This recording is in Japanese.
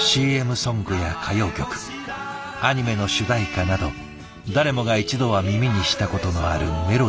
ＣＭソングや歌謡曲アニメの主題歌など誰もが一度は耳にしたことのあるメロディーの数々。